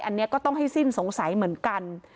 อันนี้ก็ต้องให้สิ้นสงสัยเหมือนกัน